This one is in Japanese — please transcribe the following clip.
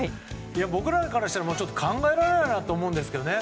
僕らからしたら考えられないなと思うんですけどね